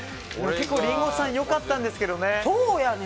リンゴさん良かったんですけどね。